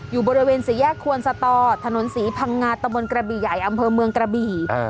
อยู่บริเวณสี่แยกควนสตอถนนศรีพังงาตะบนกระบี่ใหญ่อำเภอเมืองกระบี่